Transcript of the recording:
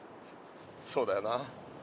そうだよな。